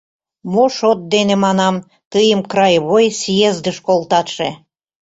— Мо шот дене, манам, тыйым краевой съездыш колтатше?